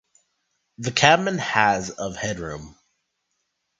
The cabin has of headroom.